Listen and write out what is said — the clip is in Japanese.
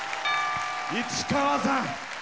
市川さん。